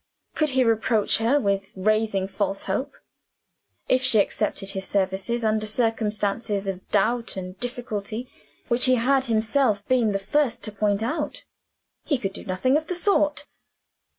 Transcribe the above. Could he reproach her with raising false hope, if she accepted his services, under circumstances of doubt and difficulty which he had himself been the first to point out? He could do nothing of the sort.